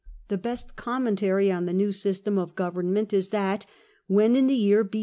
The best commentary on the new system of government is that when, in the year B.o.